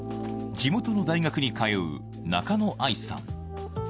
地元の大学に通う中野愛さん。